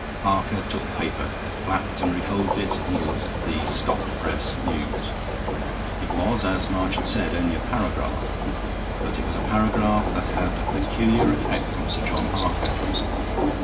Harker took the paper, flapped and refolded it, and looked at the "Stop Press" news. It was, as March had said, only a paragraph. But it was a paragraph that had a peculiar effect on Sir John Harker.